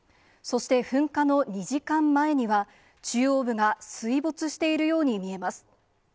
そして噴火の２時間前には、中央部が水没しているように見えます。